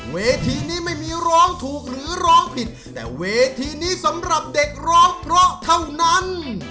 เวทีนี้ไม่มีร้องถูกหรือร้องผิดแต่เวทีนี้สำหรับเด็กร้องเพราะเท่านั้น